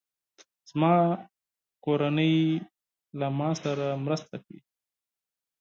زما کورنۍ له ما سره مرسته کوي.